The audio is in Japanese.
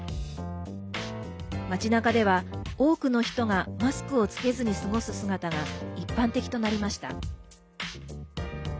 町なかでは、多くの人がマスクをつけずに過ごす姿が一般的となりました。